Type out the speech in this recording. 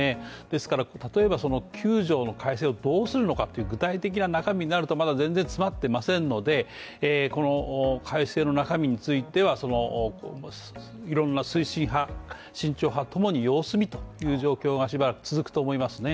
ですから、例えば９条改正をどうするのかという具体的な中身になるとまだ全然詰まってませんので、改正の中身についてはいろんな推進派、慎重派ともに様子見という状況がしばらく続くと思いますね。